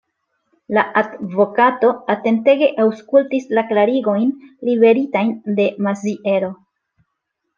La advokato atentege aŭskultis la klarigojn liveritajn de Maziero.